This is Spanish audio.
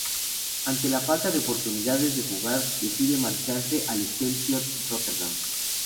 Ante la falta de oportunidades de jugar decide marcharse al Excelsior Rotterdam.